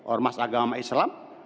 ormas agama islam